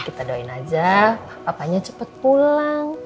kita doain aja papanya cepet pulang